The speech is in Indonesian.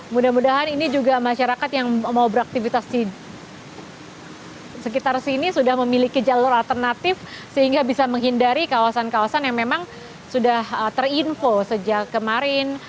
mudah mudahan ini juga masyarakat yang mau beraktivitas di sekitar sini sudah memiliki jalur alternatif sehingga bisa menghindari kawasan kawasan yang memang sudah terinfo sejak kemarin